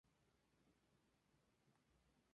Ruthless Records es una división de Epic Records.